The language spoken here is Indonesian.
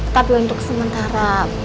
padahal untuk sementara